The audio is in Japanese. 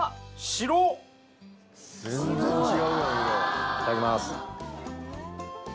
いただきます。